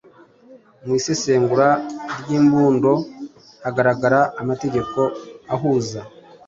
Mu isesengura ry’imbundo, hagaragara amategeko ahuza